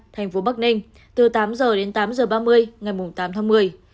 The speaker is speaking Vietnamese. thành phố bắc ninh từ tám h đến tám h ba mươi ngày tám tháng một mươi